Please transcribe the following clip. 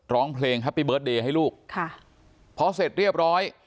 ร้องเพลงแฮปปี้เบิร์ตเดย์ให้ลูกค่ะพอเสร็จเรียบร้อย